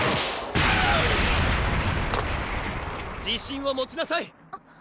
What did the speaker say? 自信を持ちなさい